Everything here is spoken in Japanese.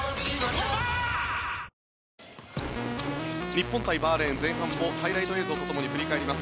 日本対バーレーン前半をハイライト映像とともに振り返ります。